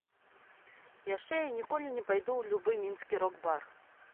Яшчэ я ніколі не пайду ў любы мінскі рок-бар.